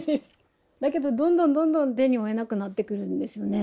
だけどどんどんどんどん手に負えなくなってくるんですよね